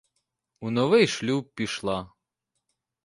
У новий шлюб пішла?